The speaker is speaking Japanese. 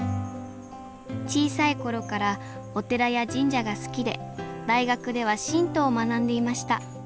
小さい頃からお寺や神社が好きで大学では神道を学んでいました。